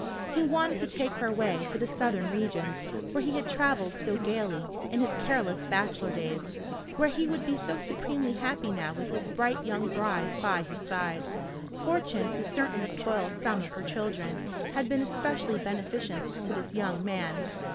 He wanted to take her away to the southern regions, where he had travelled so gaily in his careless bachelor days, where he would be so supremely happy now with his bright young bride by his side. Fortune, who certainly spoils some of her children, had been especially beneficent to this young man.